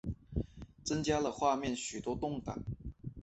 增加了画面许多动感